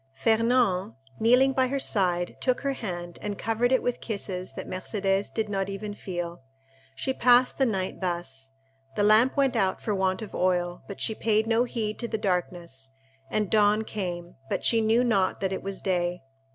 Fernand, kneeling by her side, took her hand, and covered it with kisses that Mercédès did not even feel. She passed the night thus. The lamp went out for want of oil, but she paid no heed to the darkness, and dawn came, but she knew not that it was day.